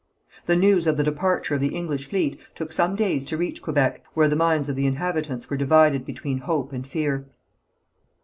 The news of the departure of the English fleet took some days to reach Quebec, where the minds of the inhabitants were divided between hope and fear.